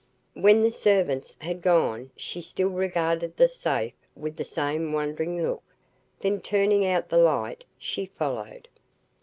When the servants had gone she still regarded the safe with the same wondering look, then turning out the light, she followed.